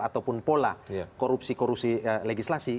ataupun pola korupsi korupsi legislasi